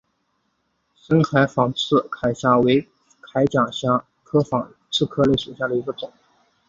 深海仿刺铠虾为铠甲虾科仿刺铠虾属下的一个种。